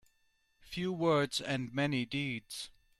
Few words and many deeds.